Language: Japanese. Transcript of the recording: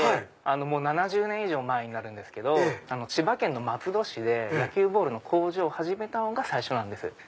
もう７０年以上前になるんですけど千葉県の松戸市で野球ボールの工場を始めたのが最初なんです。